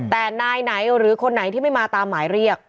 แต่นายไหนหรือคนไหนที่ไม่มาตามหมายเรียก